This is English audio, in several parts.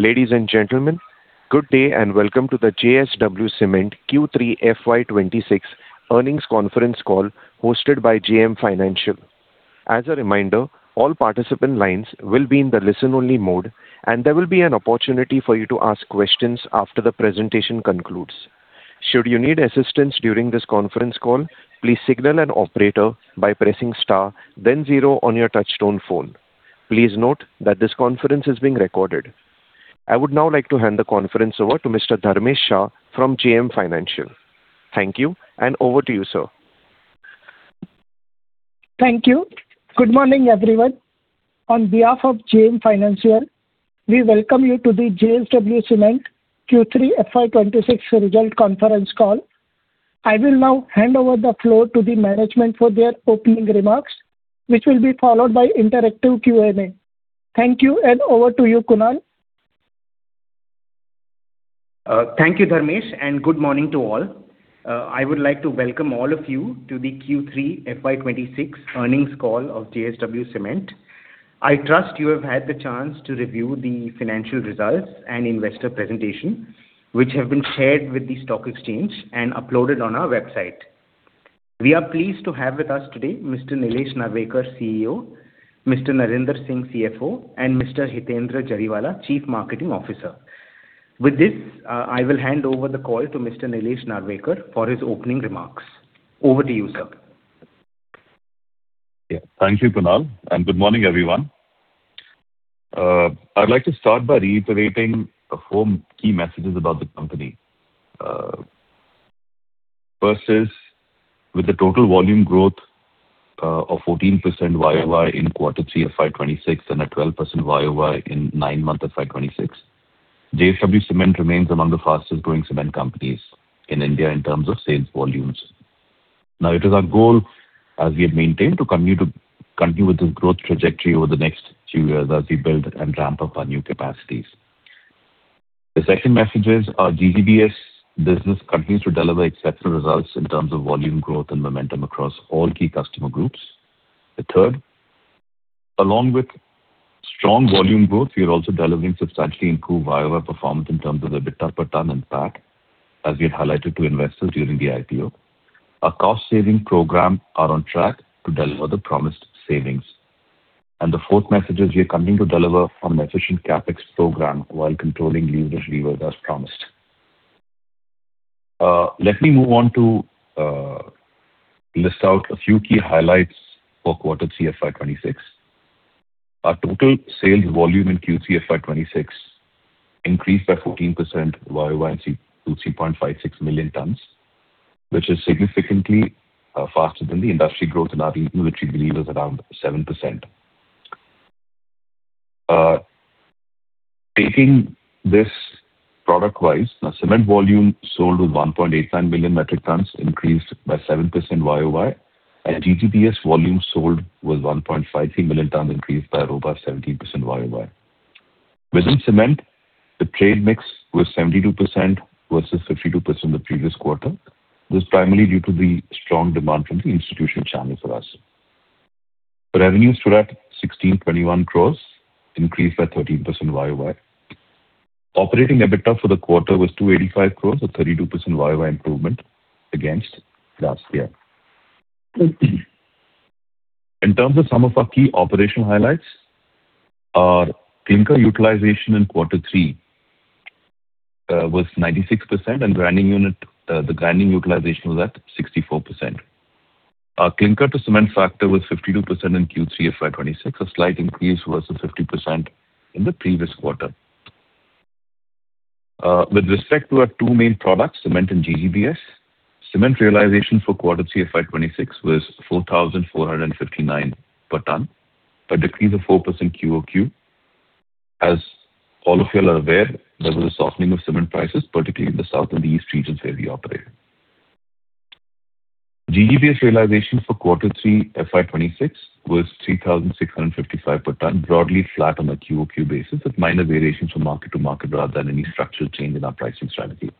Ladies and gentlemen, good day and welcome to the JSW Cement Q3 FY 2026 Earnings Conference Call hosted by JM Financial. As a reminder, all participant lines will be in the listen-only mode, and there will be an opportunity for you to ask questions after the presentation concludes. Should you need assistance during this conference call, please signal an operator by pressing star, then 0 on your touch-tone phone. Please note that this conference is being recorded. I would now like to hand the conference over to Mr. Dharmesh Shah from JM Financial. Thank you, and over to you, sir. Thank you. Good morning, everyone. On behalf of JM Financial, we welcome you to the JSW Cement Q3 FY 2026 result conference call. I will now hand over the floor to the management for their opening remarks, which will be followed by interactive Q&A. Thank you, and over to you, Kunal. Thank you, Dharmesh, and good morning to all. I would like to welcome all of you to the Q3 FY 2026 earnings call of JSW Cement. I trust you have had the chance to review the financial results and investor presentations, which have been shared with the stock exchange and uploaded on our website. We are pleased to have with us today Mr. Nilesh Narwekar, CEO, Mr. Narinder Singh, CFO, and Mr. Hitendra Jariwala, Chief Marketing Officer. With this, I will hand over the call to Mr. Nilesh Narwekar for his opening remarks. Over to you, sir. Yeah, thank you, Kunal, and good morning, everyone. I'd like to start by reiterating four key messages about the company. First is, with the total volume growth of 14% Y-o-Y in Q3 FY 2026 and a 12% Y-o-Y in nine-month FY 2026, JSW Cement remains among the fastest-growing cement companies in India in terms of sales volumes. Now, it is our goal, as we have maintained, to continue with this growth trajectory over the next few years as we build and ramp up our new capacities. The second message is our GGBS business continues to deliver exceptional results in terms of volume growth and momentum across all key customer groups. The third, along with strong volume growth, we are also delivering substantially improved Y-o-Y performance in terms of the EBITDA per ton and PAT, as we had highlighted to investors during the IPO. Our cost-saving programs are on track to deliver the promised savings. The fourth message is we are continuing to deliver an efficient CapEx program while controlling leverage levels, as promised. Let me move on to list out a few key highlights for Q3 FY 2026. Our total sales volume in Q3 FY 2026 increased by 14% Y-o-Y to 3.56 million tons, which is significantly faster than the industry growth in our region, which we believe is around 7%. Taking this product-wise, now, cement volume sold was 1.89 million metric tons, increased by 7% Y-o-Y, and GGBS volume sold was 1.53 million tons, increased by about 17% Y-o-Y. Within cement, the trade mix was 72% versus 52% the previous quarter. This is primarily due to the strong demand from the institution channel for us. Revenues stood at: 1,621 crores, increased by 13% Y-o-Y. Operating EBITDA for the quarter was 285 crores, a 32% Y-o-Y improvement against last year. In terms of some of our key operational highlights, our clinker utilization in Q3 was 96%, and the grinding utilization was at 64%. Our clinker-to-cement factor was 52% in Q3 FY 2026, a slight increase versus 50% in the previous quarter. With respect to our two main products, cement and GGBS, cement realization for Q3 FY 2026 was 4,459 per ton, a decrease of 4% Q-o-Q. As all of you are aware, there was a softening of cement prices, particularly in the South and the East regions where we operate. GGBS realization for Q3 FY 2026 was 3,655 per ton, broadly flat on a Q-o-Q basis, with minor variations from market to market rather than any structural change in our pricing strategy.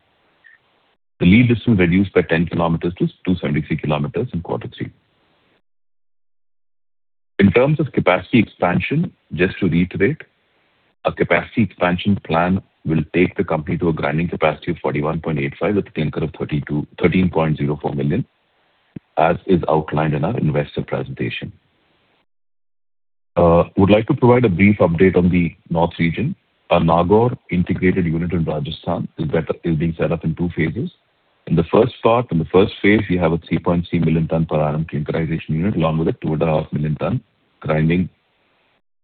The lead distance reduced by 10 km to 273 km in Q3. In terms of capacity expansion, just to reiterate, our capacity expansion plan will take the company to a grinding capacity of 41.85 with a clinker of 13.04 million, as is outlined in our investor presentation. I would like to provide a brief update on the North region. Our Nagaur integrated unit in Rajasthan is being set up in two phases. In the first part, in the first phase, we have a 3.3 million tonnes per annum clinkerization unit, along with a 2.5 million tonnes grinding.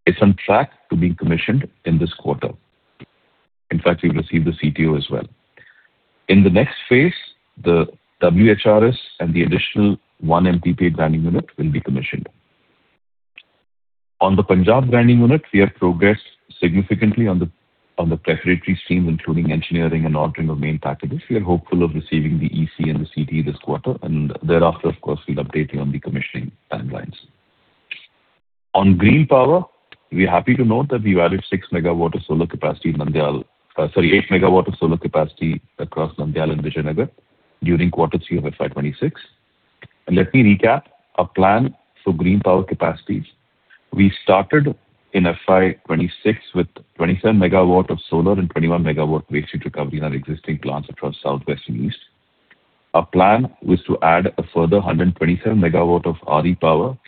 It's on track to be commissioned in this quarter. In fact, we've received the CTO as well. In the next phase, the WHRS and the additional 1 MTPA grinding unit will be commissioned. On the Punjab grinding unit, we have progressed significantly on the preparatory streams, including engineering and ordering of main packages. We are hopeful of receiving the EC and the CTO this quarter, and thereafter, of course, we'll update you on the commissioning timelines. On green power, we're happy to note that we've added 6 MW of solar capacity in Nandyal, sorry, 8 MW of solar capacity across Nandyal and Vijayanagar during Q3 of FY 2026. Let me recap our plan for green power capacities. We started in FY 2026 with 27 MW of solar and 21 MW waste recovery in our existing plants across South, West and East. Our plan was to add a further 127 MW of RE power,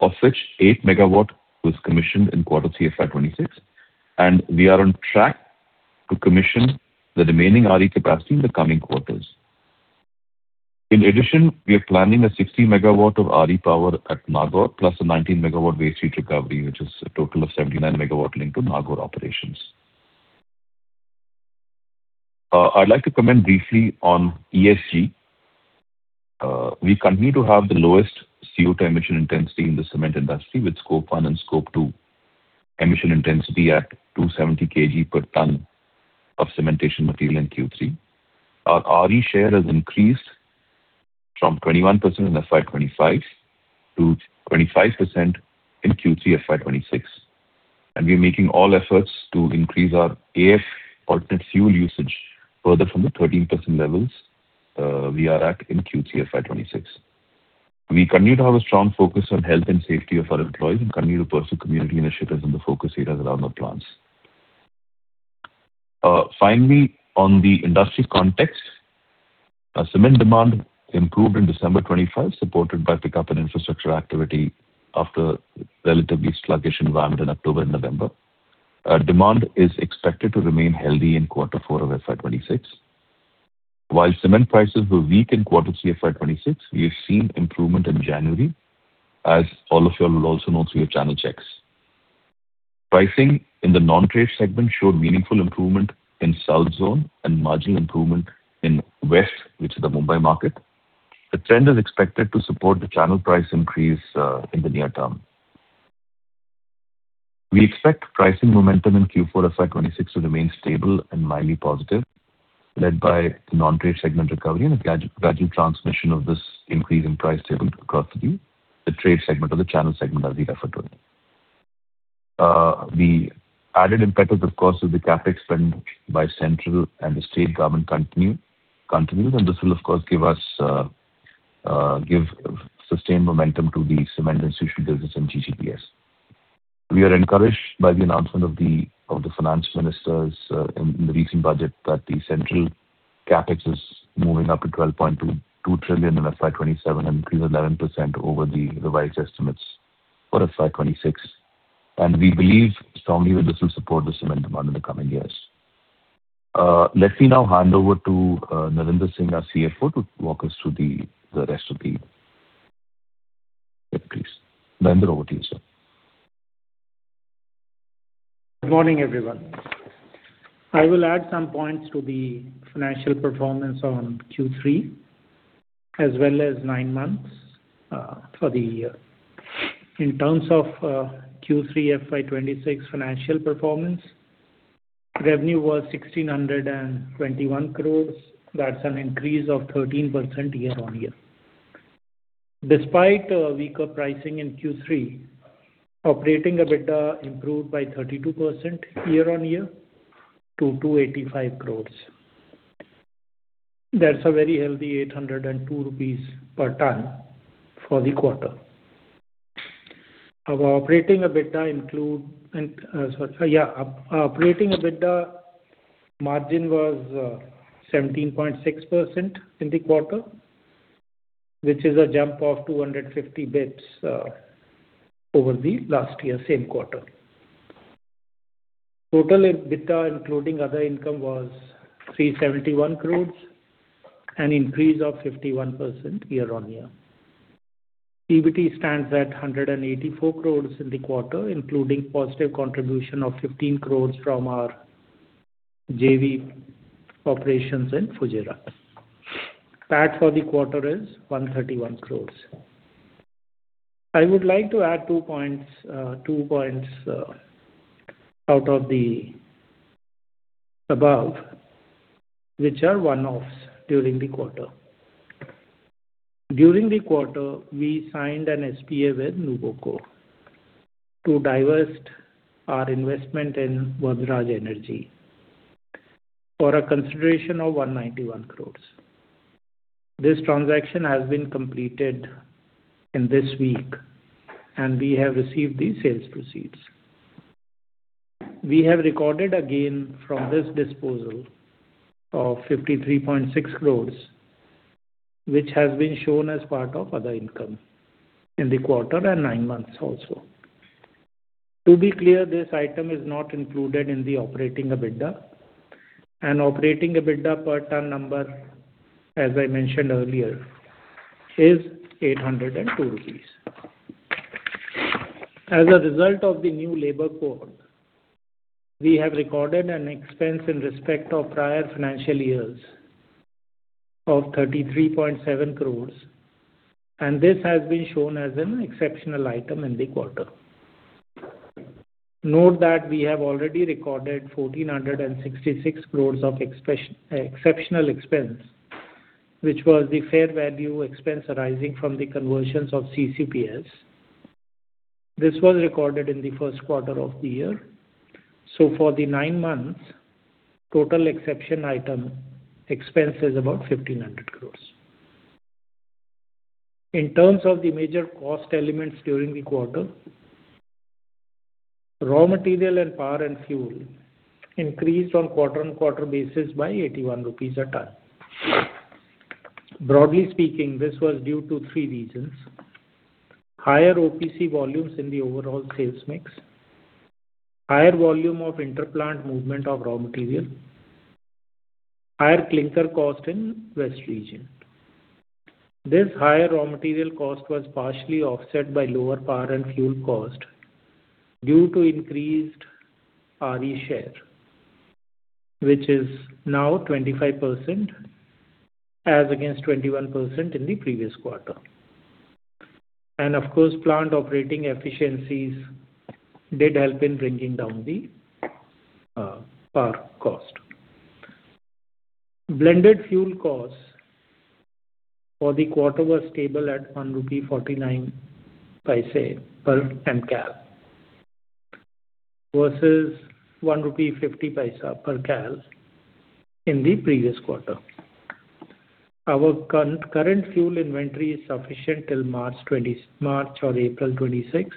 of which 8 MW was commissioned in Q3 FY 2026, and we are on track to commission the remaining RE capacity in the coming quarters. In addition, we are planning 60 MW of RE power at Nagaur plus a 19 MW waste heat recovery, which is a total of 79 MW linked to Nagaur operations. I'd like to comment briefly on ESG. We continue to have the lowest CO2 emission intensity in the cement industry, with Scope 1 and Scope 2 emission intensity at 270 kg per ton of cementitious material in Q3. Our RE share has increased from 21% in FY 2025 to 25% in Q3 FY 2026, and we're making all efforts to increase our AF alternate fuel usage further from the 13% levels we are at in Q3 FY 2026. We continue to have a strong focus on health and safety of our employees and continue to pursue community leadership as one of the focus areas around our plants. Finally, on the industry context, cement demand improved in December 2025, supported by pickup and infrastructure activity after a relatively sluggish environment in October and November. Demand is expected to remain healthy in Q4 of FY 2026. While cement prices were weak in Q3 FY 2026, we have seen improvement in January, as all of you will also know through your channel checks. Pricing in the non-trade segment showed meaningful improvement in South zone and marginal improvement in West, which is the Mumbai market. The trend is expected to support the channel price increase in the near term. We expect pricing momentum in Q4 FY 2026 to remain stable and mildly positive, led by the non-trade segment recovery and the gradual transmission of this increase in price levels across the trade segment or the channel segment, as we refer to it. The added impetus, of course, is the CapEx spend by central and the state government continues, and this will, of course, give sustained momentum to the cement institutional business and GGBS. We are encouraged by the announcement of the Finance Ministers in the recent budget that the central CapEx is moving up to 12.2 trillion in FY 2027 and increased 11% over the revised estimates for FY 2026, and we believe strongly that this will support the cement demand in the coming years. Let me now hand over to Narinder Singh, our CFO, to walk us through the rest of the presentation. Narinder, over to you, sir. Good morning, everyone. I will add some points to the financial performance on Q3 as well as nine months for the year. In terms of Q3 FY 2026 financial performance, revenue was 1,621 crore. That's an increase of 13% year-over-year. Despite weaker pricing in Q3, operating EBITDA improved by 32% year-over-year to 285 crore. That's a very healthy 802 rupees per ton for the quarter. Our operating EBITDA includes, sorry, yeah, our operating EBITDA margin was 17.6% in the quarter, which is a jump of 250 basis points over the last year, same quarter. Total EBITDA, including other income, was 371 crore, an increase of 51% year-over-year. EBIT stands at 184 crore in the quarter, including positive contribution of 15 crore from our JV operations in Fujairah. PAT for the quarter is 131 crore. I would like to add two points out of the above, which are one-offs during the quarter. During the quarter, we signed an SPA with Nuvoco to divest our investment in Bhojraj Energy for a consideration of 191 crores. This transaction has been completed in this week, and we have received these sales proceeds. We have recorded a gain from this disposal of 53.6 crores, which has been shown as part of other income in the quarter and nine months also. To be clear, this item is not included in the operating EBITDA, and operating EBITDA per ton number, as I mentioned earlier, is 802 rupees. As a result of the new Labour Code, we have recorded an expense in respect of prior financial years of 33.7 crores, and this has been shown as an exceptional item in the quarter. Note that we have already recorded 1,466 crores of exceptional expense, which was the fair value expense arising from the conversions of CCPS. This was recorded in the first quarter of the year. So for the nine months, total exception item expense is about 1,500 crores. In terms of the major cost elements during the quarter, raw material and power and fuel increased on quarter-on-quarter basis by 81 rupees/ton. Broadly speaking, this was due to three reasons: higher OPC volumes in the overall sales mix, higher volume of interplant movement of raw material, and higher clinker cost in the West region. This higher raw material cost was partially offset by lower power and fuel cost due to increased RE share, which is now 25% against 21% in the previous quarter. And of course, plant operating efficiencies did help in bringing down the power cost. Blended fuel costs for the quarter were stable at 1.49 rupee per Mcal versus 1.50 rupee per Mcal in the previous quarter. Our current fuel inventory is sufficient till March or April 2026,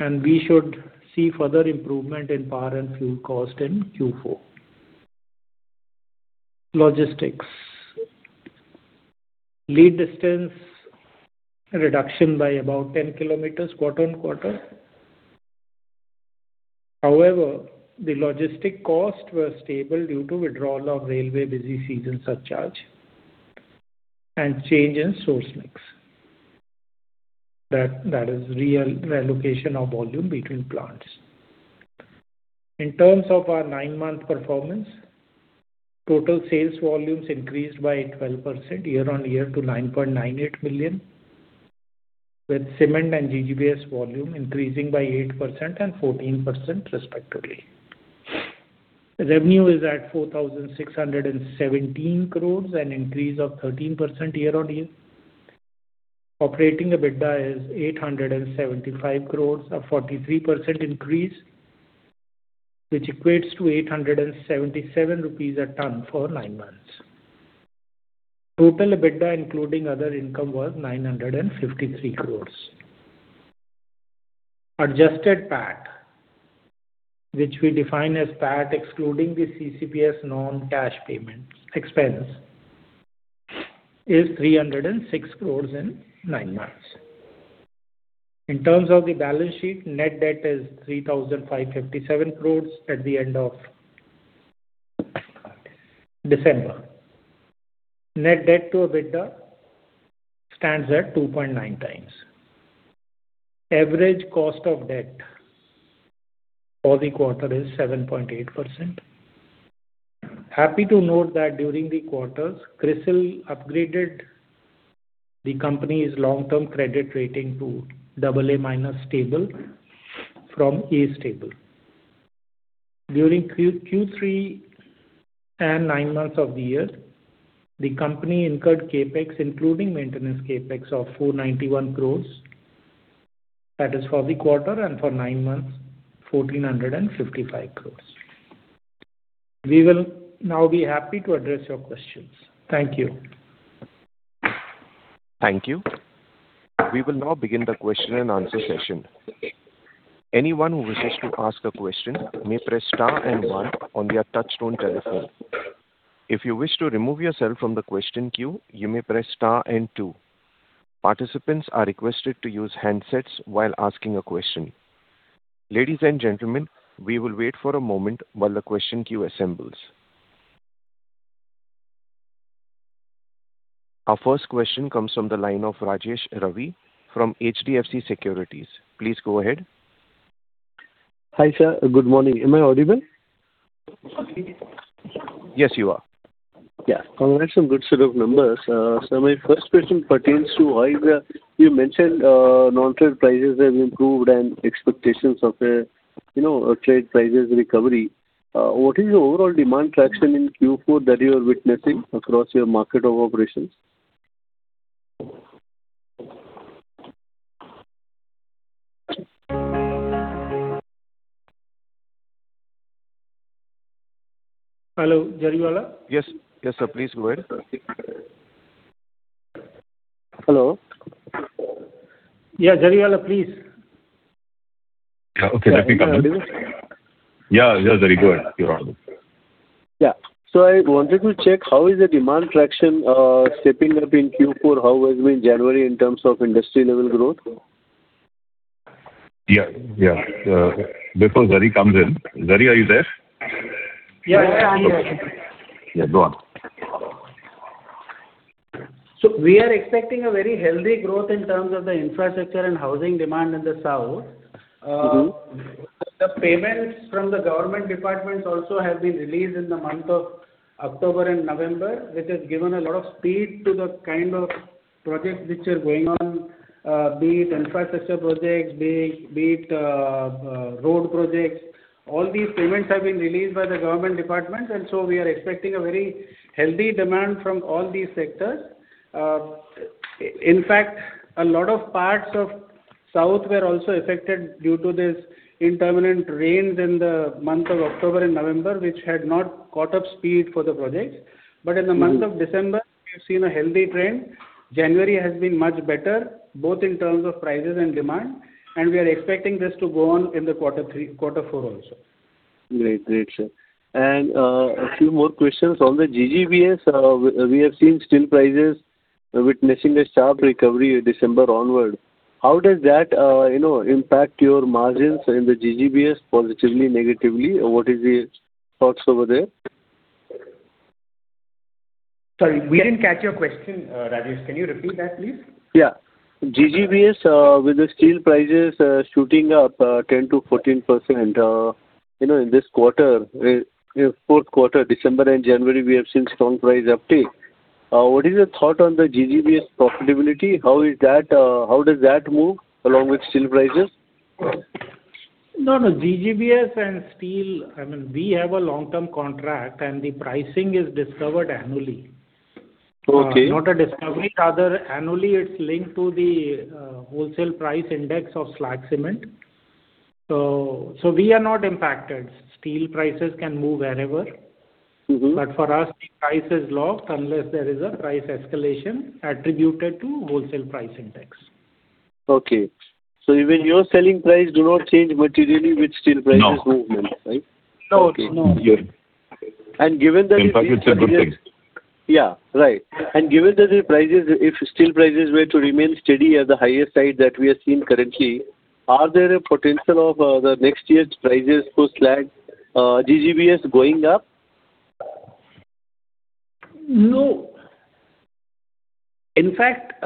and we should see further improvement in power and fuel cost in Q4. Logistics: lead distance reduction by about 10 km quarter-on-quarter. However, the logistic costs were stable due to withdrawal of Railway Busy Season Surcharge and change in source mix. That is re-allocation of volume between plants. In terms of our 9-month performance, total sales volumes increased by 12% year-on-year to 9.98 million, with cement and GGBS volume increasing by 8% and 14% respectively. Revenue is at 4,617 crores, an increase of 13% year-on-year. Operating EBITDA is 875 crores, a 43% increase, which equates to 877 rupees per ton for nine months. Total EBITDA, including other income, was 953 crores. Adjusted PAT, which we define as PAT excluding the CCPS non-cash payment expense, is 306 crores in nine months. In terms of the balance sheet, net debt is 3,557 crores at the end of December. Net debt to EBITDA stands at 2.9x. Average cost of debt for the quarter is 7.8%. Happy to note that during the quarters, CRISIL upgraded the company's long-term credit rating to AA- stable from A stable. During Q3 and nine months of the year, the company incurred CapEx, including maintenance CapEx, of 491 crores. That is for the quarter and for nine months, 1,455 crores. We will now be happy to address your questions. Thank you. Thank you. We will now begin the question and answer session. Anyone who wishes to ask a question may press star and one on their touch-tone telephone. If you wish to remove yourself from the question queue, you may press star and two. Participants are requested to use handsets while asking a question. Ladies and gentlemen, we will wait for a moment while the question queue assembles. Our first question comes from the line of Rajesh Ravi from HDFC Securities. Please go ahead. Hi, sir. Good morning. Am I audible? Yes, you are. Yes. Congrats on good set of numbers. Sir, my first question pertains to how you mentioned non-trade prices have improved and expectations of trade prices recovery. What is the overall demand traction in Q4 that you are witnessing across your market of operations? Hello. Jariwala? Yes. Yes, sir. Please go ahead. Hello. Yeah, Jariwala, please. Yeah. Okay. Let me come in. Yeah. Yeah, Jari. Go ahead, Your Honor. Yeah. So I wanted to check how is the demand traction stepping up in Q4? How has it been in January in terms of industry-level growth? Yeah. Yeah. Before Jari comes in, Jari, are you there? Yeah. Yeah. I'm here. Yeah. Go on. We are expecting a very healthy growth in terms of the infrastructure and housing demand in the South. The payments from the government departments also have been released in the month of October and November, which has given a lot of speed to the kind of projects which are going on, be it infrastructure projects, be it road projects. All these payments have been released by the government departments, and so we are expecting a very healthy demand from all these sectors. In fact, a lot of parts of South were also affected due to these intermittent rains in the month of October and November, which had not caught up speed for the projects. But in the month of December, we have seen a healthy trend. January has been much better, both in terms of prices and demand, and we are expecting this to go on in the quarter four also. Great. Great, sir. A few more questions. On the GGBS, we have seen steel prices witnessing a sharp recovery December onward. How does that impact your margins in the GGBS positively, negatively? What are your thoughts over there? Sorry. We didn't catch your question, Rajesh. Can you repeat that, please? Yeah. GGBS, with the steel prices shooting up 10%-14% in this quarter, fourth quarter, December and January, we have seen strong price uptake. What is your thought on the GGBS profitability? How does that move along with steel prices? No, no. GGBS and steel, I mean, we have a long-term contract, and the pricing is discovered annually. Not a discovery, rather annually, it's linked to the Wholesale Price Index of Slag Cement. So we are not impacted. Steel prices can move wherever. But for us, the price is locked unless there is a price escalation attributed to Wholesale Price Index. Okay. Even your selling price does not change materially with steel prices movement, right? No. Given that the prices. In fact, it's a good thing. Yeah. Right. And given that the steel prices were to remain steady at the highest side that we have seen currently, are there a potential of the next year's prices for GGBS going up? No. In fact,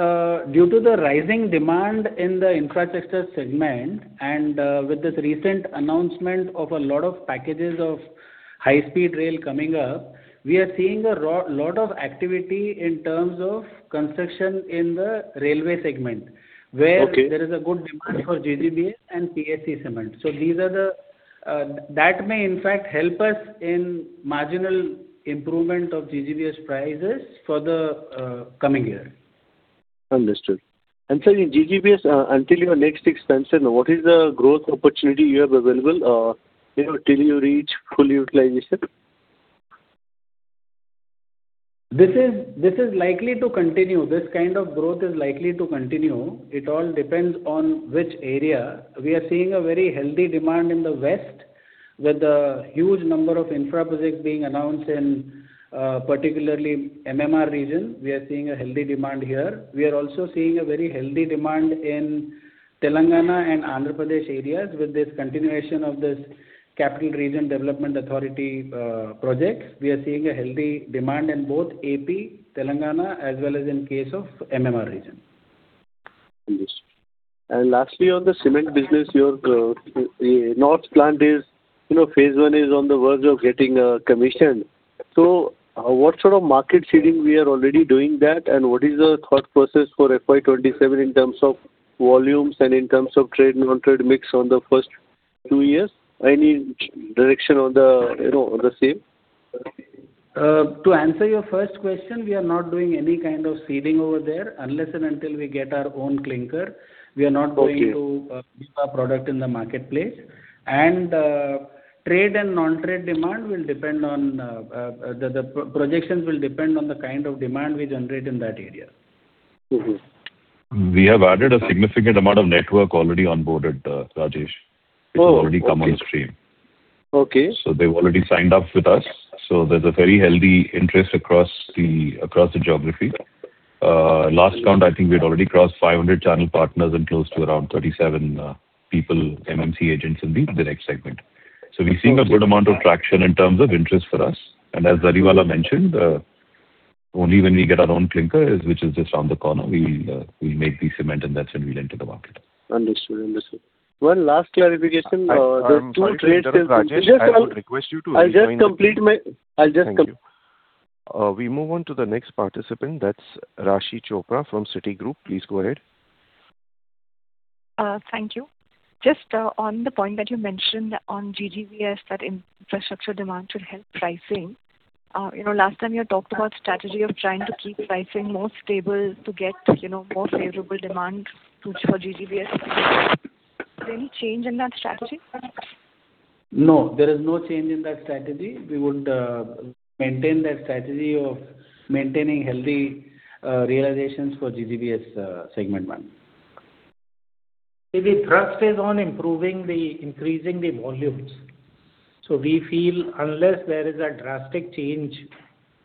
due to the rising demand in the infrastructure segment and with this recent announcement of a lot of packages of High-Speed Rail coming up, we are seeing a lot of activity in terms of construction in the railway segment where there is a good demand for GGBS and PSC cement. So that may, in fact, help us in marginal improvement of GGBS prices for the coming year. Understood. And sir, in GGBS, until your next expansion, what is the growth opportunity you have available till you reach full utilization? This is likely to continue. This kind of growth is likely to continue. It all depends on which area. We are seeing a very healthy demand in the West with a huge number of infra projects being announced, particularly in the MMR region. We are seeing a healthy demand here. We are also seeing a very healthy demand in Telangana and Andhra Pradesh areas with this continuation of this Capital Region Development Authority project. We are seeing a healthy demand in both AP, Telangana, as well as in the case of the MMR region. Understood. And lastly, on the cement business, North Plant Phase I is on the verge of getting commissioned. So what sort of market seeding? We are already doing that. And what is the thought process for FY 2027 in terms of volumes and in terms of trade non-trade mix on the first two years? Any direction on the same? To answer your first question, we are not doing any kind of seeding over there unless and until we get our own clinker. We are not going to give our product in the marketplace. Trade and non-trade demand will depend on the projections, will depend on the kind of demand we generate in that area. We have added a significant amount of network already onboarded, Rajesh, which has already come on stream. So they've already signed up with us. So there's a very healthy interest across the geography. Last count, I think we had already crossed 500 channel partners and close to around 37 people, RMC agents, in the next segment. So we're seeing a good amount of traction in terms of interest for us. And as Jariwala mentioned, only when we get our own clinker, which is just around the corner, we'll make the cement, and that's when we'll enter the market. Understood. Understood. One last clarification. There are two trades still. I'll request you to. I'll just complete my-- Thank you. We move on to the next participant. That's Raashi Chopra from Citigroup. Please go ahead. Thank you. Just on the point that you mentioned on GGBS, that infrastructure demand should help pricing. Last time, you talked about a strategy of trying to keep pricing more stable to get more favorable demand for GGBS. Is there any change in that strategy? No. There is no change in that strategy. We would maintain that strategy of maintaining healthy realizations for GGBS segment one. The thrust is on increasing the volumes. We feel unless there is a drastic change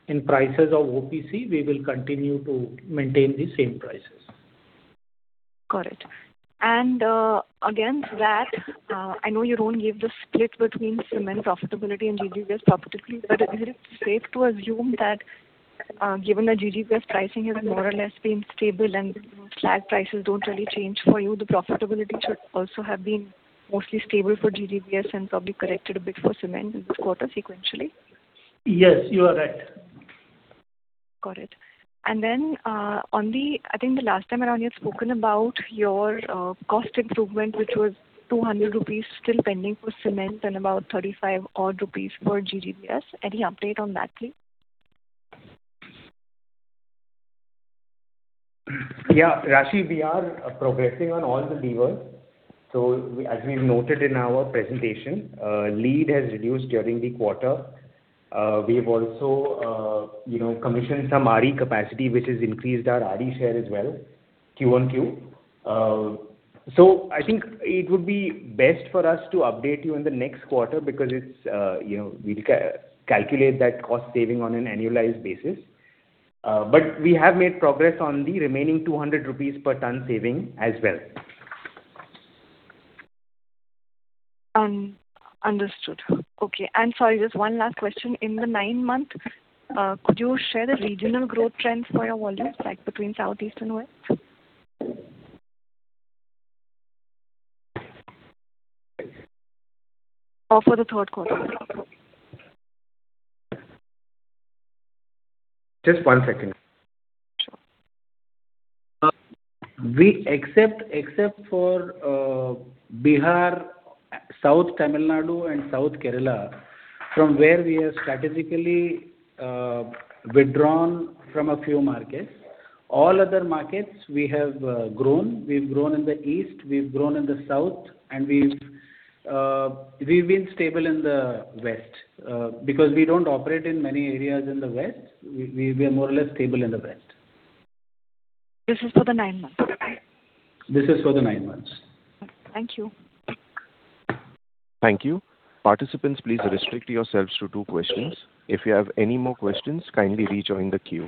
in prices of OPC, we will continue to maintain the same prices. Got it. And against that, I know you don't give the split between cement profitability and GGBS profitability. But is it safe to assume that given that GGBS pricing has more or less been stable and slag prices don't really change for you, the profitability should also have been mostly stable for GGBS and probably corrected a bit for cement in this quarter sequentially? Yes. You are right. Got it. And then I think the last time around, you had spoken about your cost improvement, which was 200 rupees still pending for cement and about 35 rupees odd for GGBS. Any update on that, please? Yeah. Rashi, we are progressing on all the levers. So as we've noted in our presentation, lead has reduced during the quarter. We have also commissioned some RE capacity, which has increased our RE share as well Q-on-Q. So I think it would be best for us to update you in the next quarter because we'll calculate that cost saving on an annualized basis. But we have made progress on the remaining 200 rupees per ton saving as well. Understood. Okay. And sorry, just one last question. In the nine-month, could you share the regional growth trends for your volumes between Southeast and West? For the third quarter. Just one second. Sure. We accept for Bihar, South Tamil Nadu, and South Kerala from where we have strategically withdrawn from a few markets. All other markets, we have grown. We've grown in the East. We've grown in the South. We've been stable in the West because we don't operate in many areas in the West. We are more or less stable in the West. This is for the nine months. This is for the nine months. Thank you. Thank you. Participants, please restrict yourselves to two questions. If you have any more questions, kindly rejoin the queue.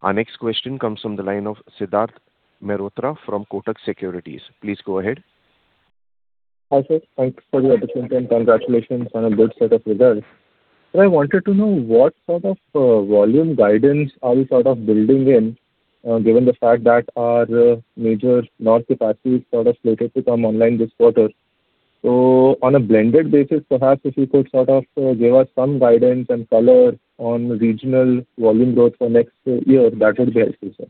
Our next question comes from the line of Siddharth Malhotra from Kotak Securities. Please go ahead. Hi, sir. Thanks for the opportunity and congratulations on a good set of results. Sir, I wanted to know what sort of volume guidance are we sort of building in given the fact that our major North capacity is sort of slated to come online this quarter? So on a blended basis, perhaps if you could sort of give us some guidance and color on regional volume growth for next year, that would be helpful, sir.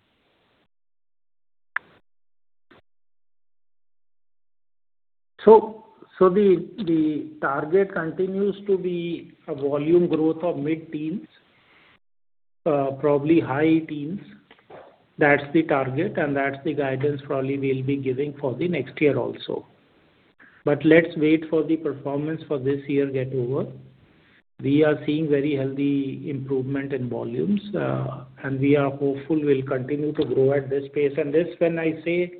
So the target continues to be a volume growth of mid-teens, probably high teens. That's the target, and that's the guidance probably we'll be giving for the next year also. But let's wait for the performance for this year get over. We are seeing very healthy improvement in volumes, and we are hopeful we'll continue to grow at this pace. And when I say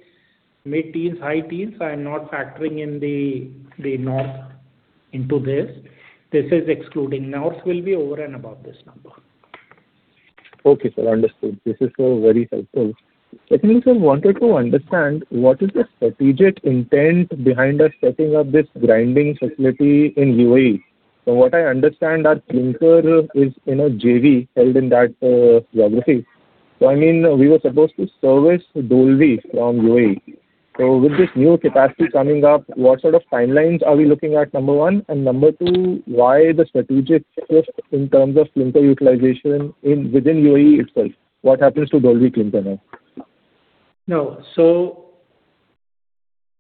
mid-teens, high teens, I am not factoring in the North into this. This is excluding. North will be over and above this number. Okay, sir. Understood. This is very helpful. Technically, sir, I wanted to understand what is the strategic intent behind us setting up this grinding facility in UAE. So what I understand, our clinker is in a JV held in that geography. So I mean, we were supposed to service Dolvi from UAE. So with this new capacity coming up, what sort of timelines are we looking at, number one? And number two, why the strategic shift in terms of clinker utilization within UAE itself? What happens to Dolvi clinker now? No. So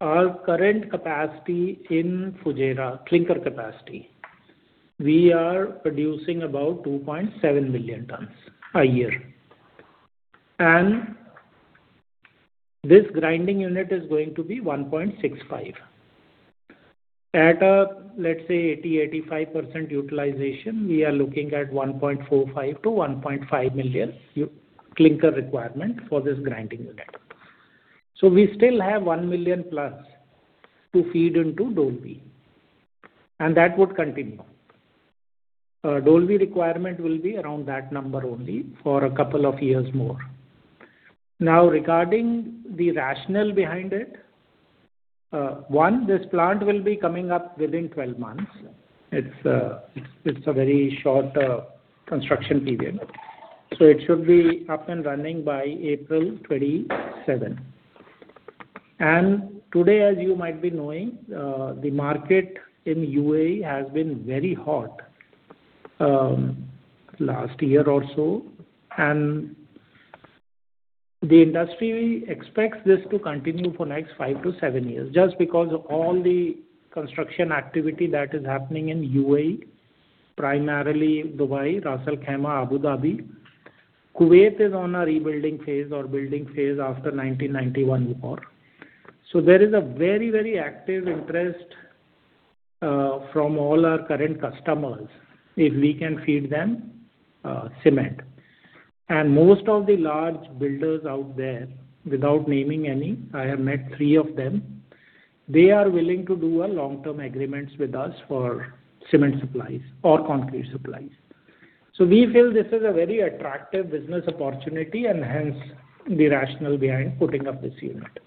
our current capacity in Fujairah, clinker capacity, we are producing about 2.7 million tons a year. And this grinding unit is going to be 1.65 million. At a, let's say, 80%-85% utilization, we are looking at 1.45 million-1.5 million clinker requirement for this grinding unit. So we still have 1 million+ to feed into Dolvi, and that would continue. Dolvi requirement will be around that number only for a couple of years more. Now, regarding the rationale behind it, one, this plant will be coming up within 12 months. It's a very short construction period. So it should be up and running by April 27. And today, as you might be knowing, the market in UAE has been very hot last year or so. The industry expects this to continue for the next five-seven years just because all the construction activity that is happening in UAE, primarily Dubai, Ras Al Khaimah, Abu Dhabi, Kuwait is on a rebuilding phase or building phase after the 1991 war. So there is a very, very active interest from all our current customers if we can feed them cement. Most of the large builders out there, without naming any, I have met three of them, they are willing to do long-term agreements with us for cement supplies or concrete supplies. So we feel this is a very attractive business opportunity and hence the rationale behind putting up this unit.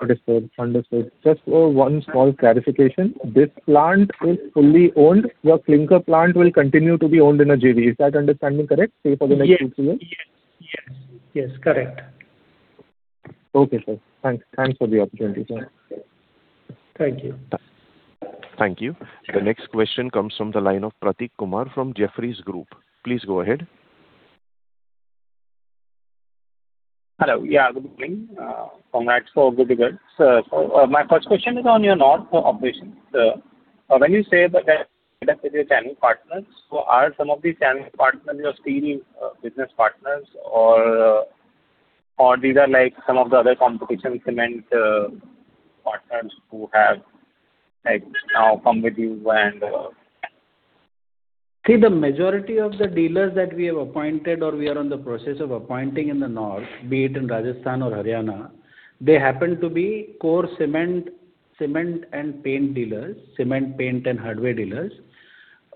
Understood. Understood. Just one small clarification. This plant is fully owned. Your clinker plant will continue to be owned in a JV. Is that understanding correct? Safe for the next two-three years? Yes. Correct. Okay, sir. Thanks. Thanks for the opportunity, sir. Thank you. Thank you. The next question comes from the line of Prateek Kumar from Jefferies. Please go ahead. Hello. Yeah. Good morning. Congrats for good results. My first question is on your North operations. When you say that you have channel partners, are some of these channel partners your steel business partners, or these are some of the other competition cement partners who have now come with you and? See, the majority of the dealers that we have appointed or we are on the process of appointing in the North, be it in Rajasthan or Haryana, they happen to be core cement and paint dealers, cement, paint, and hardware dealers.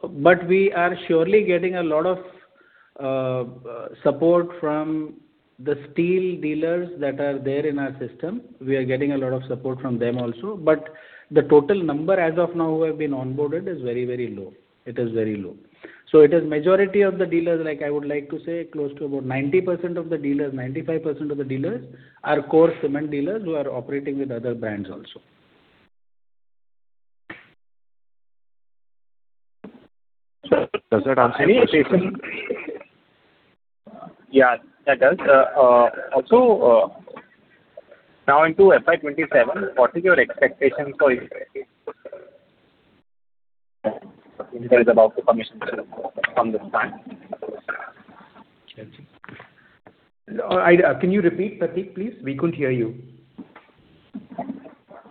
But we are surely getting a lot of support from the steel dealers that are there in our system. We are getting a lot of support from them also. But the total number as of now who have been onboarded is very, very low. It is very low. So it is majority of the dealers, I would like to say, close to about 90% of the dealers, 95% of the dealers are core cement dealers who are operating with other brands also. Sir, does that answer your question? Yeah, that does. Also, now into FY 2027, what is your expectation for clinker that is about to commission from this plant? Can you repeat, Pratik, please? We couldn't hear you.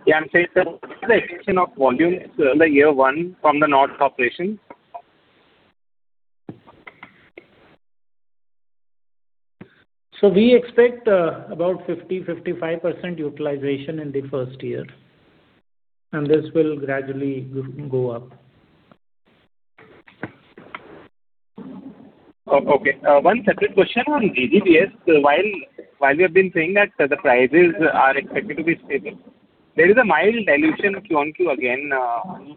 Yeah. I'm saying, sir, what is the expectation of volumes in the year one from the North operation? So we expect about 50%-55% utilization in the first year, and this will gradually go up. Okay. One separate question on GGBS. While we have been saying that the prices are expected to be stable, there is a mild dilution Q-on-Q again.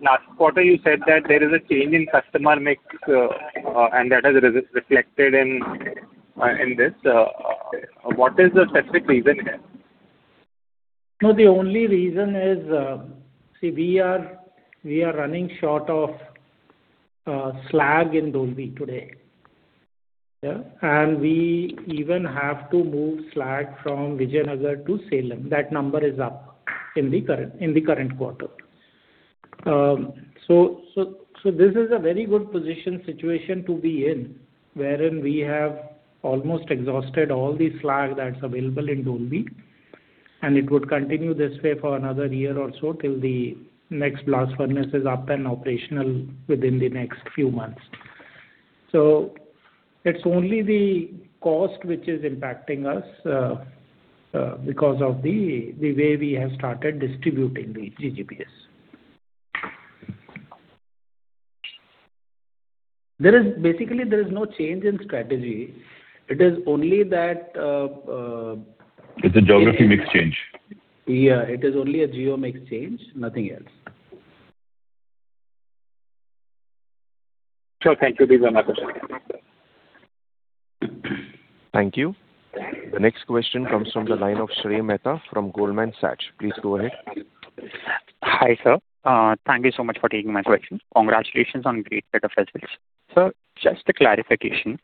Last quarter, you said that there is a change in customer mix, and that has reflected in this. What is the specific reason here? No, the only reason is, see, we are running short of slag in Dolvi today. And we even have to move slag from Vijayanagar to Salem. That number is up in the current quarter. So this is a very good position situation to be in wherein we have almost exhausted all the slag that's available in Dolvi. And it would continue this way for another year or so till the next blast furnace is up and operational within the next few months. So it's only the cost which is impacting us because of the way we have started distributing the GGBS. Basically, there is no change in strategy. It is only that. It's a geography mix change. Yeah. It is only a geo mix change. Nothing else. Sir, thank you. These are my questions. Thank you. The next question comes from the line of Shrey Mehta from Goldman Sachs. Please go ahead. Hi, sir. Thank you so much for taking my question. Congratulations on a great set of results. Sir, just a clarification.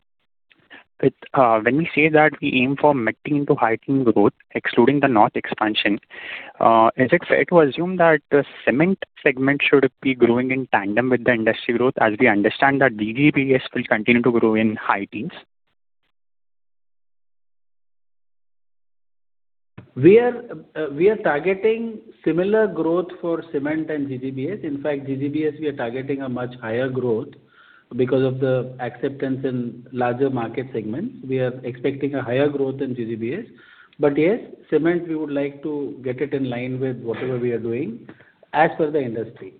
When we say that we aim for mid-teens to high-teens growth, excluding the North expansion, is it fair to assume that the cement segment should be growing in tandem with the industry growth as we understand that GGBS will continue to grow in high teens? We are targeting similar growth for cement and GGBS. In fact, GGBS, we are targeting a much higher growth because of the acceptance in larger market segments. We are expecting a higher growth in GGBS. But yes, cement, we would like to get it in line with whatever we are doing as per the industry.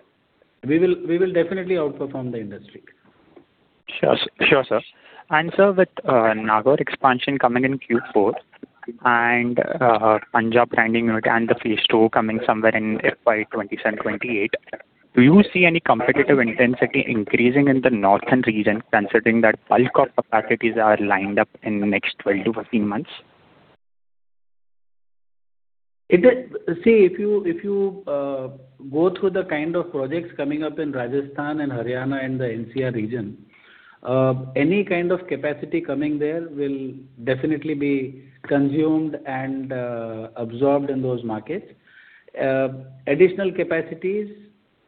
We will definitely outperform the industry. Sure, sir. And sir, with Nagaur expansion coming in Q4 and Punjab grinding unit and the Phase II coming somewhere in FY 2027-2028, do you see any competitive intensity increasing in the Northern region considering that bulk of capacities are lined up in the next 12-15 months? See, if you go through the kind of projects coming up in Rajasthan and Haryana and the NCR region, any kind of capacity coming there will definitely be consumed and absorbed in those markets. Additional capacities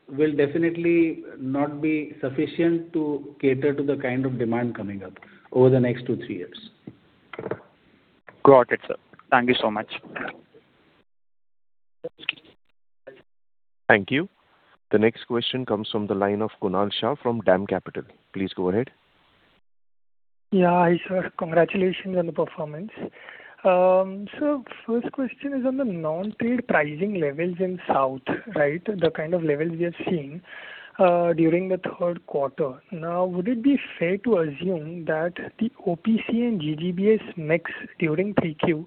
will definitely not be sufficient to cater to the kind of demand coming up over the next two to three years. Got it, sir. Thank you so much. Thank you. The next question comes from the line of Kunal Shah from DAM Capital. Please go ahead. Yeah, hi sir. Congratulations on the performance. Sir, first question is on the non-trade pricing levels in South, right, the kind of levels we have seen during the third quarter. Now, would it be fair to assume that the OPC and GGBS mix during 3Q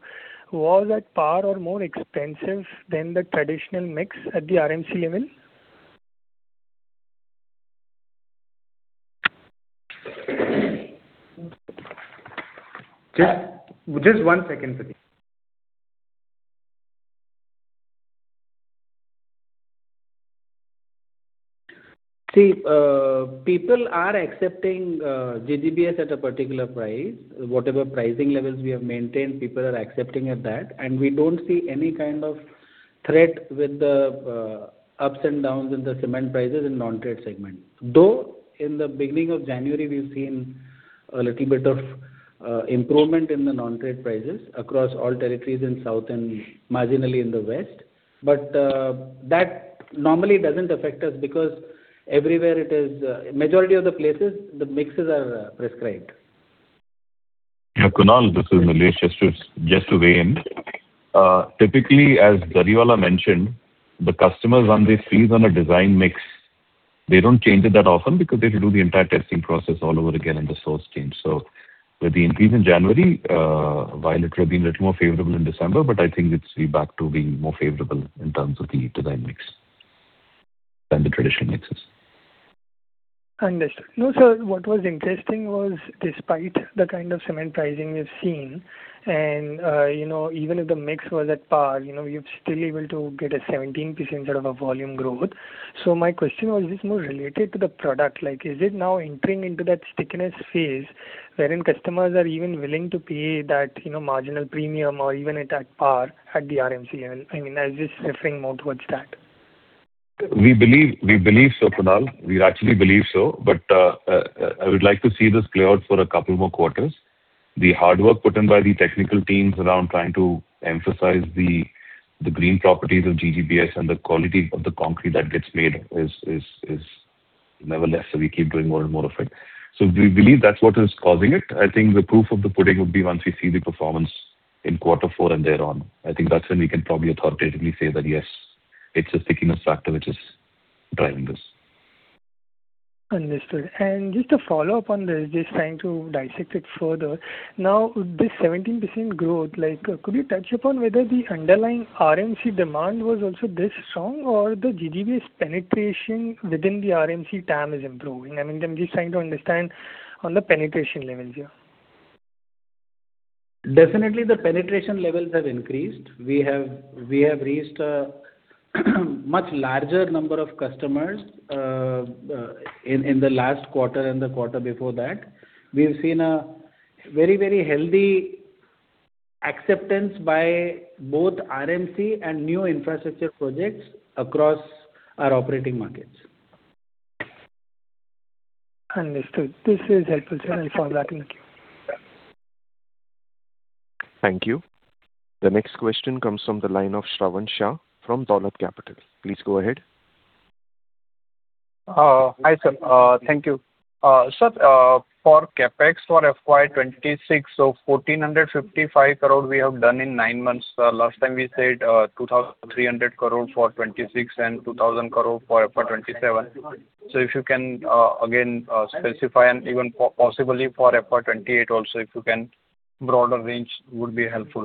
was at par or more expensive than the traditional mix at the RMC level? Just one second. See, people are accepting GGBS at a particular price. Whatever pricing levels we have maintained, people are accepting at that. And we don't see any kind of threat with the ups and downs in the cement prices in non-trade segment. Though in the beginning of January, we've seen a little bit of improvement in the non-trade prices across all territories in South and marginally in the West. But that normally doesn't affect us because everywhere it is, majority of the places, the mixes are prescribed. Yeah. Kunal, this is Nilesh just to weigh in. Typically, as Jariwala mentioned, the customers run these fees on a design mix. They don't change it that often because they have to do the entire testing process all over again in the source team. So with the increase in January, while it will be a little more favorable in December, but I think it'll be back to being more favorable in terms of the design mix than the traditional mixes. Understood. No, sir, what was interesting was despite the kind of cement pricing we've seen, and even if the mix was at par, we've still been able to get a 17% sort of volume growth. So my question was, is this more related to the product? Is it now entering into that stickiness phase wherein customers are even willing to pay that marginal premium or even at par at the RMC level? I mean, is this referring more towards that? We believe so, Kunal. We actually believe so. But I would like to see this play out for a couple more quarters. The hard work put in by the technical teams around trying to emphasize the green properties of GGBS and the quality of the concrete that gets made is nonetheless. So we keep doing more and more of it. So we believe that's what is causing it. I think the proof of the pudding would be once we see the performance in quarter four and thereon. I think that's when we can probably authoritatively say that, yes, it's a stickiness factor which is driving this. Understood. And just to follow up on this, just trying to dissect it further. Now, this 17% growth, could you touch upon whether the underlying RMC demand was also this strong or the GGBS penetration within the RMC TAM is improving? I mean, I'm just trying to understand on the penetration levels here. Definitely, the penetration levels have increased. We have reached a much larger number of customers in the last quarter and the quarter before that. We've seen a very, very healthy acceptance by both RMC and new infrastructure projects across our operating markets. Understood. This is helpful, sir. Thank you for that. Thank you. Thank you. The next question comes from the line of Shravan Shah from Dolat Capital. Please go ahead. Hi sir. Thank you. Sir, for CapEx for FY 2026, so 1,455 crore we have done in nine months. Last time, we said 2,300 crore for FY 2026 and 2,000 crore for FY 2027. So if you can again specify and even possibly for FY 2028 also, if you can, broader range would be helpful.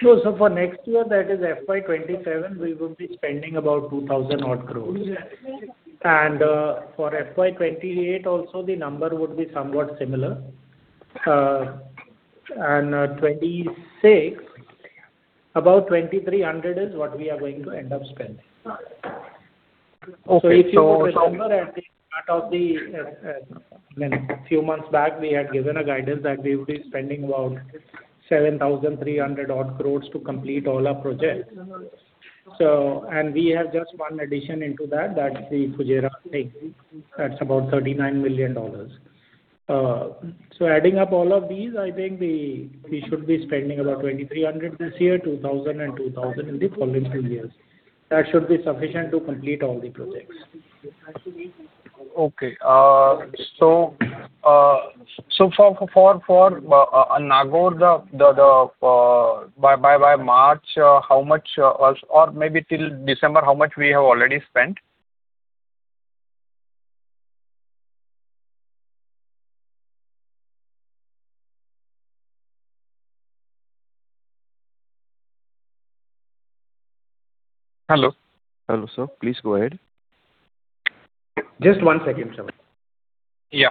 So for next year, that is FY 2027, we will be spending about 2,000 crores. And for FY 2028 also, the number would be somewhat similar. And 2026, about 2,300 crores is what we are going to end up spending. So if you remember at the start of the few months back, we had given a guidance that we would be spending about 7,300 crores to complete all our projects. And we have just one addition into that. That's the Fujairah thing. That's about $39 million. So adding up all of these, I think we should be spending about 2,300 crores this year, 2,000 crores, and 2,000 crores in the following two years. That should be sufficient to complete all the projects. Okay. So for Nagaur, by March, how much or maybe till December, how much we have already spent? Hello, sir. Please go ahead. Just one second, sir. Yeah.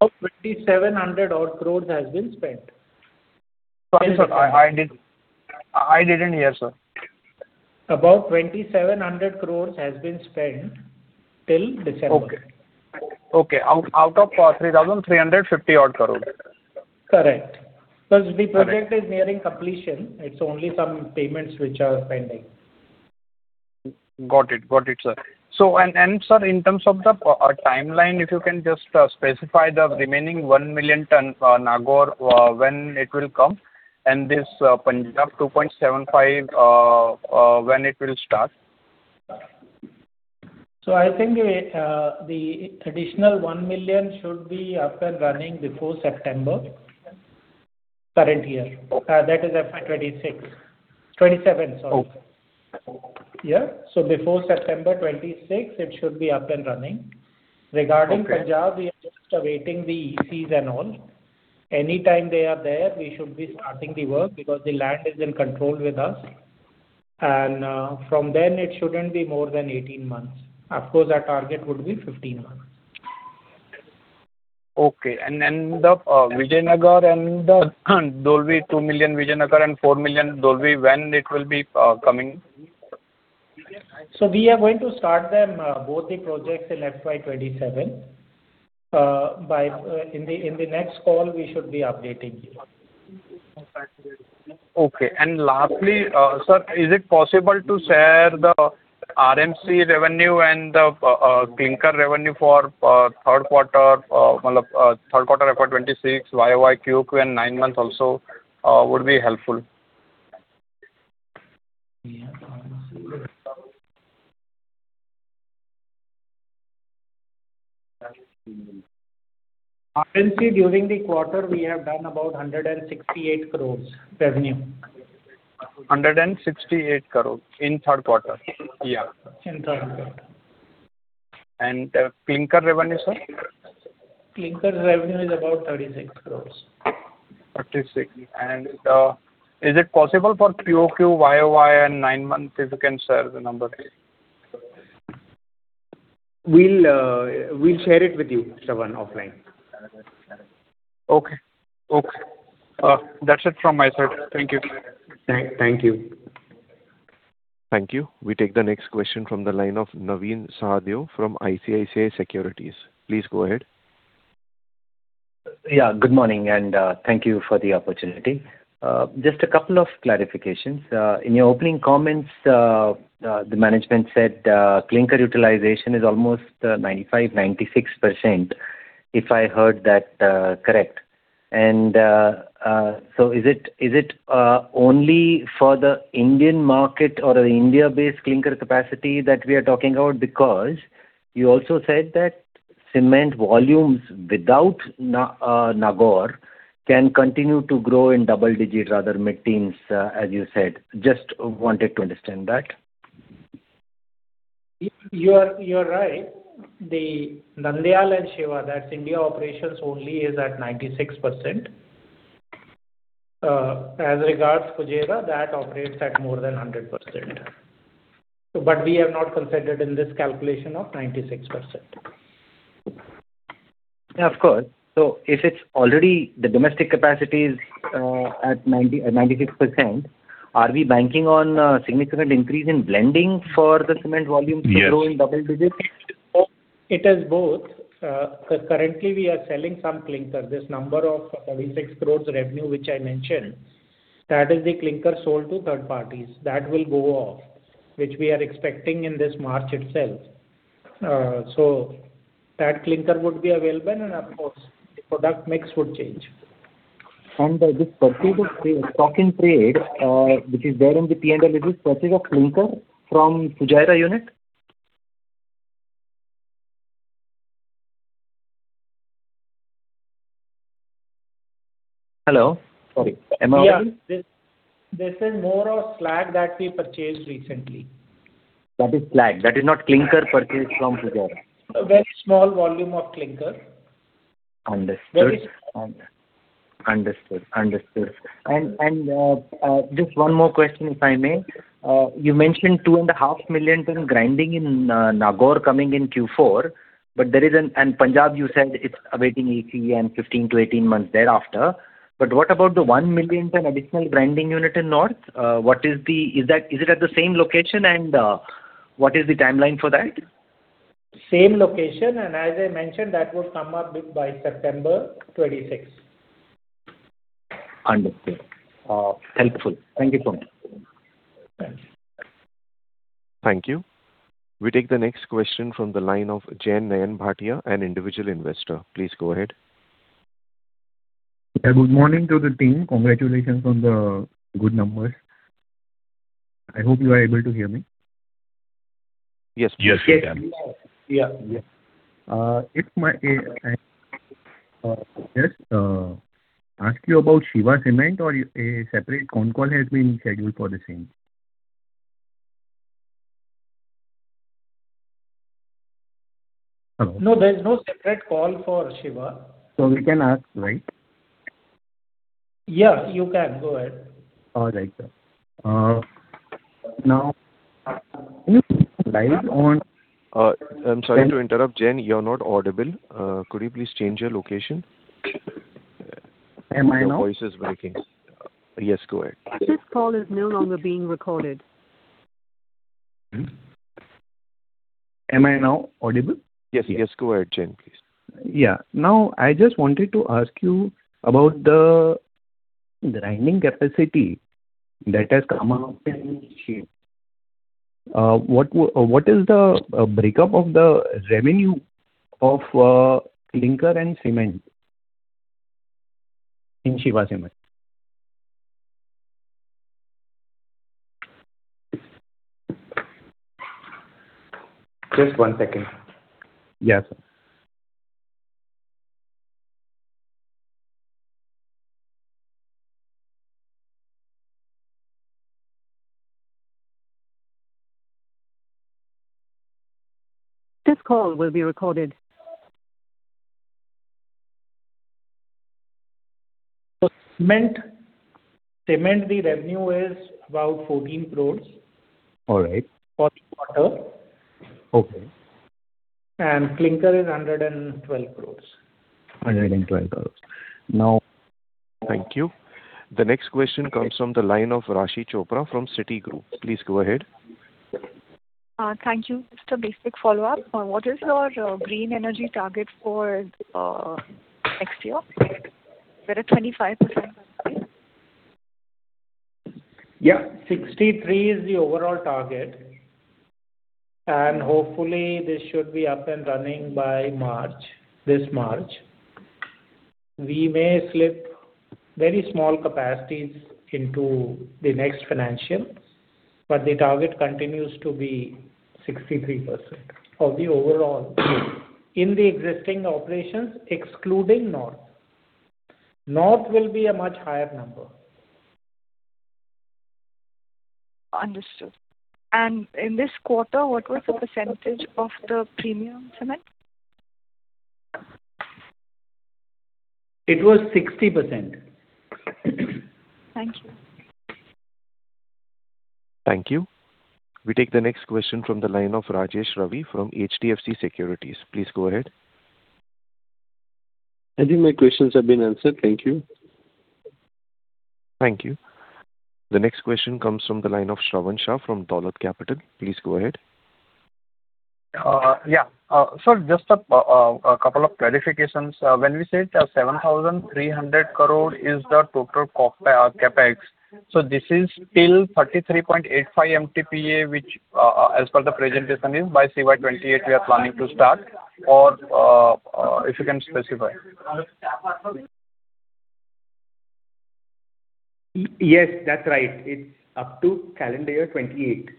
About 2,700 crore-odd has been spent. Sorry, sir. I didn't hear, sir. About 2,700 crore has been spent till December. Okay. Out of 3,350 crores-odd. Correct. Because the project is nearing completion. It's only some payments which are pending. Got it. Got it, sir. Sir, in terms of the timeline, if you can just specify the remaining 1 million tonnes Nagaur when it will come and this Punjab 2.75 million when it will start. So I think the additional 1 million should be up and running before September current year. That is FY 2026-- 2027, sorry. Yeah. So before September 2026, it should be up and running. Regarding Punjab, we are just awaiting the ECs and all. Anytime they are there, we should be starting the work because the land is in control with us. And from then, it shouldn't be more than 18 months. Of course, our target would be 15 months. Okay. And then Vijayanagar and Dolvi, 2 million Vijayanagar and 4 million Dolvi, when it will be coming? We are going to start both the projects in FY 2027. In the next call, we should be updating you. Okay. And lastly, sir, is it possible to share the RMC revenue and the clinker revenue for third quarter, I mean, third quarter FY 2026, Y-o-Y, Q-o-Q, and nine months also would be helpful? RMC during the quarter, we have done about 168 crores revenue. 168 crore in third quarter. Yeah. In third quarter. Clinker revenue, sir? Clinker revenue is about INR 36 crore. INR 36 crore. Is it possible for Q-o-Q, Y-o-Y, and nine months if you can share the number? We'll share it with you, Shravan, offline. Okay. That's it from my side. Thank you. Thank you. Thank you. We take the next question from the line of Navin Sahadeo from ICICI Securities. Please go ahead. Yeah. Good morning. And thank you for the opportunity. Just a couple of clarifications. In your opening comments, the management said clinker utilization is almost 95%-96%, if I heard that correct. And so is it only for the Indian market or the India-based clinker capacity that we are talking about? Because you also said that cement volumes without Nagaur can continue to grow in double digits, rather mid-teens, as you said. Just wanted to understand that? You're right. Nandyal and Shiva, that's India operations only, is at 96%. As regards Fujairah, that operates at more than 100%. But we have not considered in this calculation of 96%. Of course. So if it's already the domestic capacity is at 96%, are we banking on a significant increase in blending for the cement volumes to grow in double digits? It is both. Currently, we are selling some clinker. This number of 36 crore revenue which I mentioned, that is the clinker sold to third parties. That will go off, which we are expecting in this March itself. So that clinker would be available. And of course, the product mix would change. This purchase of stock in trade, which is there in the P&L, is this purchase of clinker from Fujairah unit? Hello? This is more of slag that we purchased recently. That is slag. That is not clinker purchased from Fujairah. Very small volume of clinker. Understood. Understood. Understood. Just one more question, if I may. You mentioned 2.5 million tonne grinding in Nagaur coming in Q4, but there is one in Punjab, you said it's awaiting EC and 15-18 months thereafter. What about the 1 million tonne additional grinding unit in North? Is it at the same location? And what is the timeline for that? Same location. And as I mentioned, that would come up by September 2026. Understood. Helpful. Thank you so much. Thank you. We take the next question from the line of Jainam Bhatia, an individual investor. Please go ahead. Yeah. Good morning to the team. Congratulations on the good numbers. I hope you are able to hear me. Yes. Yes. Ask you about Shiva Cement or a separate phone call has been scheduled for the same? Hello? No, there's no separate call for Shiva. So we can ask, right? Yeah, you can. Go ahead. All right, sir. Now, live on. I'm sorry to interrupt, Jain. You're not audible. Could you please change your location? Am I now? Your voice is breaking. Yes, go ahead. Am I now audible? Yes. Yes, go ahead, Jain, please. Yeah. Now, I just wanted to ask you about the grinding capacity that has come up in Shiva. What is the breakup of the revenue of clinker and cement in Shiva Cement? Just one second. Yes, sir. For cement, the revenue is about 14 crores for the quarter. Clinker is 112 crores. 112 crore. Now. Thank you. The next question comes from the line of Raashi Chopra from Citi Group. Please go ahead. Thank you. Just a basic follow-up. What is your green energy target for next year? Is it a 25% target? Yeah. 63% is the overall target. Hopefully, this should be up and running by March, this March. We may slip very small capacities into the next financial, but the target continues to be 63% of the overall in the existing operations, excluding North. North will be a much higher number. Understood. And in this quarter, what was the percentage of the premium cement? It was 60%. Thank you. Thank you. We take the next question from the line of Rajesh Ravi from HDFC Securities. Please go ahead. I think my questions have been answered. Thank you. Thank you. The next question comes from the line of Shravan Shah from Dolat Capital. Please go ahead. Yeah. Sir, just a couple of clarifications. When we said 7,300 crore is the total CapEx, so this is till 33.85 MTPA, which as per the presentation is, by CY 2028 we are planning to start, or if you can specify. Yes, that's right. It's up to calendar year 2028.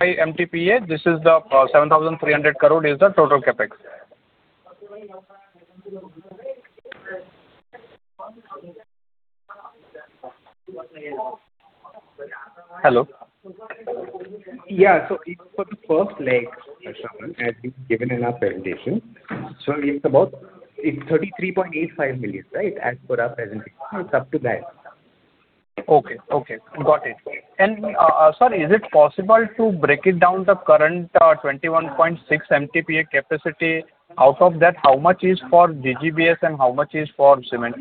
MTPA, this is the 7,300 crore is the total CapEx. Hello? Yeah. So for the first leg, Shravan, as we've given in our presentation, so it's about 33.85 million, right, as per our presentation. It's up to that. Okay. Okay. Got it. Sir, is it possible to break it down to current 21.6 MTPA capacity? Out of that, how much is for GGBS and how much is for cement?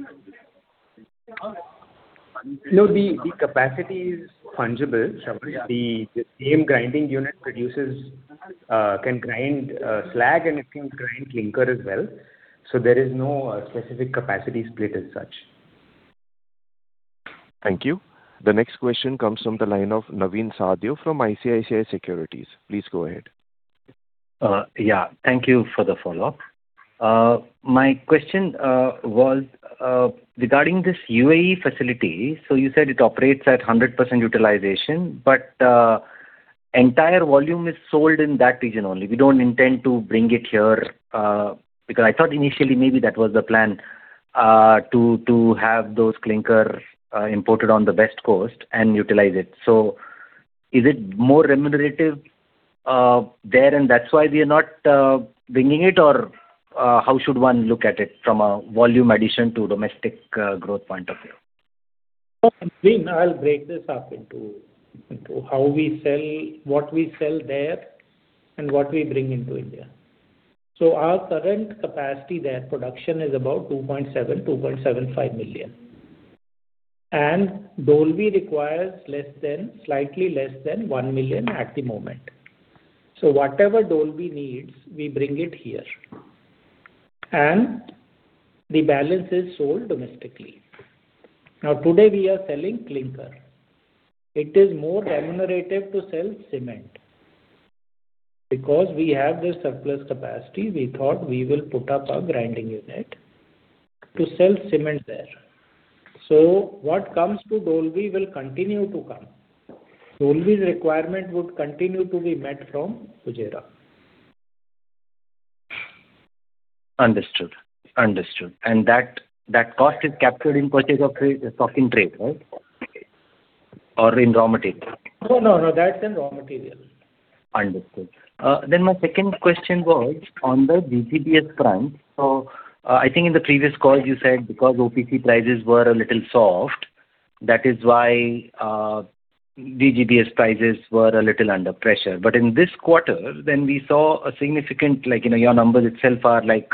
No, the capacity is fungible, Shravan. The same grinding unit can grind slag, and it can grind clinker as well. So there is no specific capacity split as such. Thank you. The next question comes from the line of Navin Sahadeo from ICICI Securities. Please go ahead. Yeah. Thank you for the follow-up. My question was regarding this UAE facility. So you said it operates at 100% utilization, but entire volume is sold in that region only. We don't intend to bring it here because I thought initially maybe that was the plan to have those clinker imported on the West Coast and utilize it. So is it more remunerative there, and that's why we are not bringing it, or how should one look at it from a volume addition to domestic growth point of view? I mean, I'll break this up into what we sell there and what we bring into India. So our current capacity there, production, is about 2.7 million-2.75 million. And Dolvi requires slightly less than 1 million at the moment. So whatever Dolvi needs, we bring it here. And the balance is sold domestically. Now, today, we are selling clinker. It is more remunerative to sell cement because we have this surplus capacity. We thought we will put up a grinding unit to sell cement there. So what comes to Dolvi will continue to come. Dolvi's requirement would continue to be met from Fujairah. Understood. That cost is captured in purchase of stock in trade, right, or in raw material? No, no, no. That's in raw material. Understood. Then my second question was on the GGBS price. So I think in the previous call, you said because OPC prices were a little soft, that is why GGBS prices were a little under pressure. But in this quarter, then we saw a significant, your numbers itself are like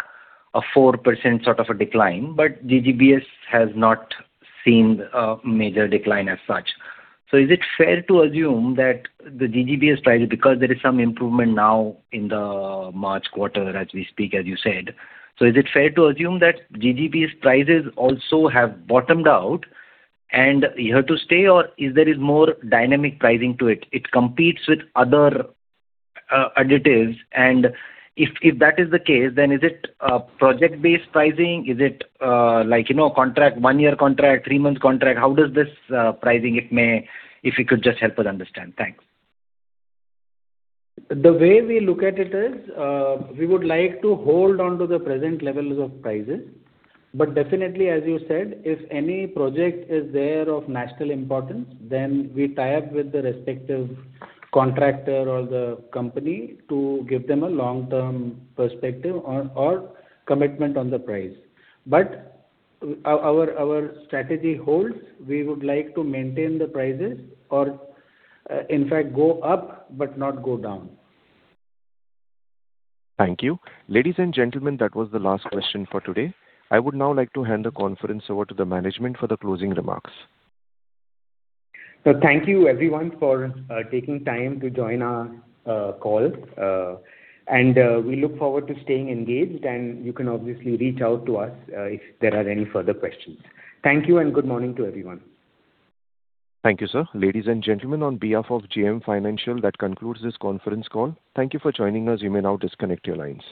a 4% sort of a decline, but GGBS has not seen a major decline as such. So is it fair to assume that the GGBS price, because there is some improvement now in the March quarter as we speak, as you said, so is it fair to assume that GGBS prices also have bottomed out and here to stay, or is there more dynamic pricing to it? It competes with other additives. And if that is the case, then is it project-based pricing? Is it like a contract, one-year contract, three-month contract? How does this pricing, if it could just help us understand? Thanks. The way we look at it is we would like to hold onto the present levels of prices. But definitely, as you said, if any project is there of national importance, then we tie up with the respective contractor or the company to give them a long-term perspective or commitment on the price. But our strategy holds. We would like to maintain the prices or, in fact, go up but not go down. Thank you. Ladies and gentlemen, that was the last question for today. I would now like to hand the conference over to the management for the closing remarks. Thank you, everyone, for taking time to join our call. We look forward to staying engaged. You can obviously reach out to us if there are any further questions. Thank you, and good morning to everyone. Thank you, sir. Ladies and gentlemen, on behalf of JM Financial, that concludes this conference call. Thank you for joining us. You may now disconnect your lines.